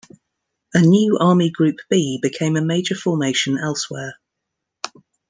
A new Army Group B became a major formation elsewhere.